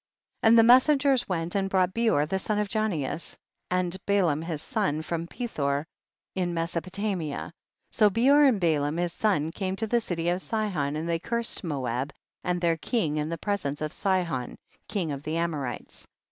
16. And the messengers went and brought Beor the son of Janeas, and Balaam his son, from Pethor in Meso potamia, so Beor and Balaam his son came to the city of Sihon and they cursed Moab and their king in the pre sence of Sihon king of the Amorites.